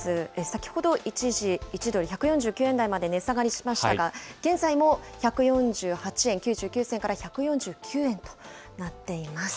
先ほど、一時、１ドル１４９円台まで値下がりしましたが、現在も１４８円９９銭から１４９円となっています。